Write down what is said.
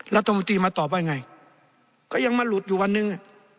รัฐมนตรีมาตอบว่าไงก็ยังมาหลุดอยู่วันหนึ่ง